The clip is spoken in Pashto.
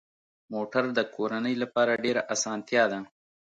موټر د کورنۍ لپاره ډېره اسانتیا ده.